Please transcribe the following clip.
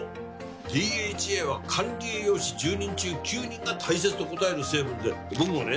ＤＨＡは管理栄養士１０人中９人が大切と答える成分で僕もね